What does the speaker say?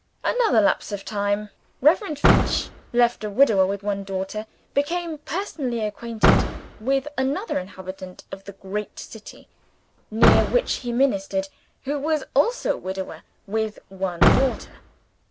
Another lapse of time. Reverend Finch, left a widower with one daughter, became personally acquainted with an inhabitant of the great city near which he ministered, who was also a widower with one daughter.